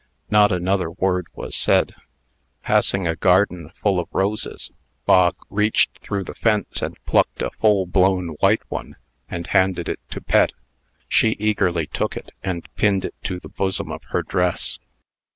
Not another word was said. Passing a garden full of roses, Bog reached through the fence, and plucked a full blown white one and handed it to Pet. She eagerly took it, and pinned it to the bosom of her dress.